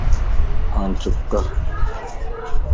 ھاڻ چپ ڪر